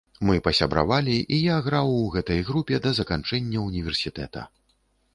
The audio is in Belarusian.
Мы пасябравалі, і я граў у гэтай групе да заканчэння ўніверсітэта.